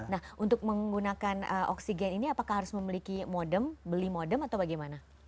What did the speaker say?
nah untuk menggunakan oksigen ini apakah harus memiliki modem beli modem atau bagaimana